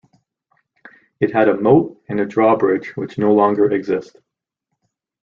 It had a moat and a draw bridge which no longer exist.